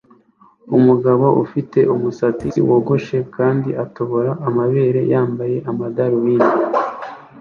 Umugabo ufite umusatsi wogoshe kandi atobora amabere yambaye amadarubindi